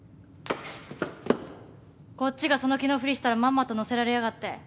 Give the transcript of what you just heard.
こっちがその気のふりしたらまんまと乗せられやがって。